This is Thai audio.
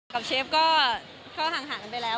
กับเชฟก็เข้าห่างกันไปแล้ว